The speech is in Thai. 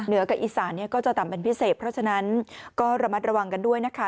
กับอีสานก็จะต่ำเป็นพิเศษเพราะฉะนั้นก็ระมัดระวังกันด้วยนะคะ